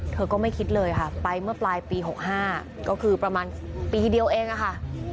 เธอก็ไม่คิดเลยค่ะไปเมื่อปลายปี๖๕ก็คือประมาณปีเดียวเองอะค่ะ